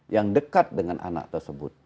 yang dekat dengan anak tersebut